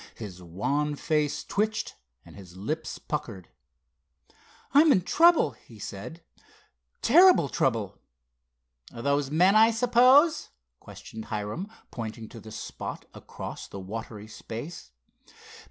His wan face twitched and his lips puckered. "I'm in trouble," he said—"terrible trouble." "Those men, I suppose?" questioned Hiram, pointing to the spot across the watery space.